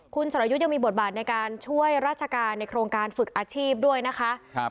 คุณสรยุทธ์ยังมีบทบาทในการช่วยราชการในโครงการฝึกอาชีพด้วยนะคะ